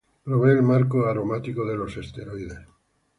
Provee el marco aromático de los esteroides.